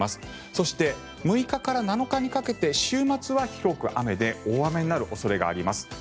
そして、６日から７日にかけて週末は広く雨で大雨になる恐れがあります。